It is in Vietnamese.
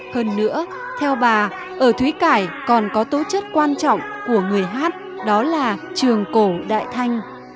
hơn nữa theo bà ở thúy cải còn có tố chất quan trọng của người hát đó là trường cổ đại thanh